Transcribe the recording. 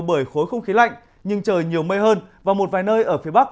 bởi khối không khí lạnh nhưng trời nhiều mây hơn và một vài nơi ở phía bắc